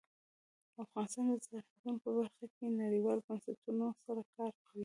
افغانستان د سرحدونه په برخه کې نړیوالو بنسټونو سره کار کوي.